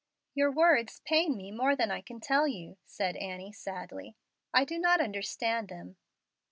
"Your words pain me more than I can tell you," said Annie, sadly. "I do not understand them.